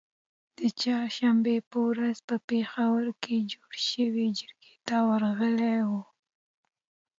د چهارشنبې په ورځ په پیښور کې جوړی شوې جرګې ته ورغلي وو